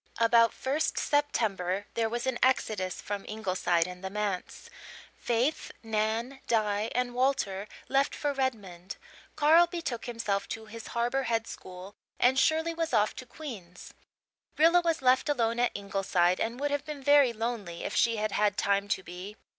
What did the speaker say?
About 1st September there was an exodus from Ingleside and the manse. Faith, Nan, Di and Walter left for Redmond; Carl betook himself to his Harbour Head school and Shirley was off to Queen's. Rilla was left alone at Ingleside and would have been very lonely if she had had time to be.